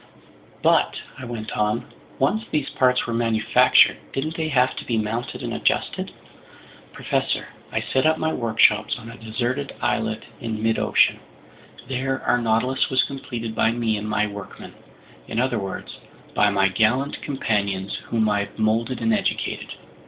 "But," I went on, "once these parts were manufactured, didn't they have to be mounted and adjusted?" "Professor, I set up my workshops on a deserted islet in midocean. There our Nautilus was completed by me and my workmen, in other words, by my gallant companions whom I've molded and educated.